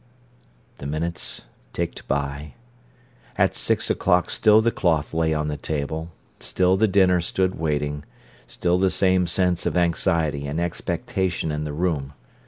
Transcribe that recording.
The minutes ticked away. At six o'clock still the cloth lay on the table, still the dinner stood waiting, still the same sense of anxiety and expectation in the room.